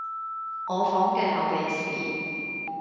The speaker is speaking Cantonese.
我房嘅後備匙